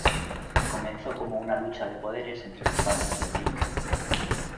Comenzó como una lucha de poderes entre los bandos del Lic.